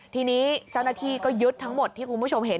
ทีนี้เจ้าหน้าที่ก็ยึดทั้งหมดที่คุณผู้ชมเห็น